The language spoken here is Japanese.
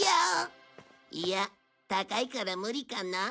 いや高いから無理かな。